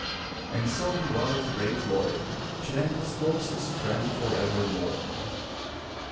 And so he was, brave Laeg, Setanta's closest friend forever more.